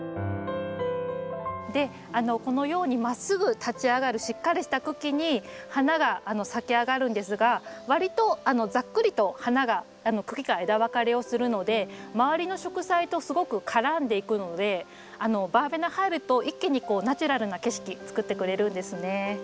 でこのようにまっすぐ立ち上がるしっかりした茎に花が咲き上がるんですがわりとざっくりと花が茎から枝分かれをするので周りの植栽とすごく絡んでいくのでバーベナ入ると一気にこうナチュラルな景色作ってくれるんですね。